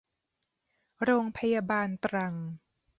โรงพยาบาลตรัง